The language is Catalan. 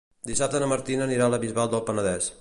Dissabte na Martina anirà a la Bisbal del Penedès.